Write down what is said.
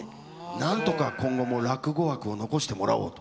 なんとか今後も落語枠を残してもらおうと。